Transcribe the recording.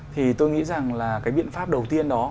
thì tôi nghĩ rằng là cái biện pháp đầu tiên đó